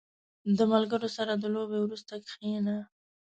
• د ملګرو سره د لوبې وروسته کښېنه.